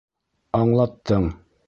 Аңлаттың!